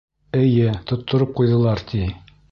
Эйе, тоттороп ҡуйҙылар, ти.